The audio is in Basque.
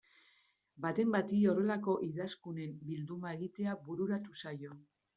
Baten bati horrelako idazkunen bilduma egitea bururatu zaio.